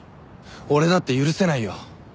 俺だって許せないよ。